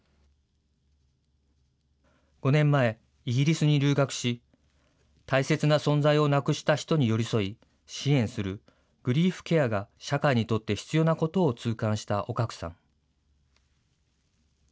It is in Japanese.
５年前、イギリスに留学し、大切な存在を亡くした人に寄り添い支援するグリーフケアが社会にとって必要なことを痛感した尾角さん。